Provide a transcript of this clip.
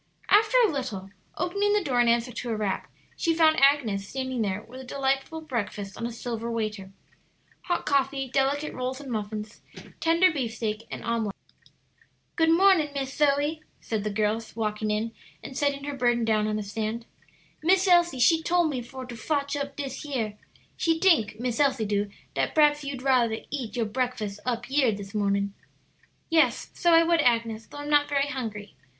After a little, opening the door in answer to a rap, she found Agnes standing there with a delightful breakfast on a silver waiter hot coffee, delicate rolls and muffins, tender beefsteak, and omelet. "Good mornin', Miss Zoe," said the girl, walking in and setting her burden down on a stand. "Miss Elsie she tole me for to fotch up dis yere. She tink, Miss Elsie do, dat p'raps you'd rather eat yo' breakfus up yere dis mornin'." "Yes, so I would, Agnes, though I'm not very hungry.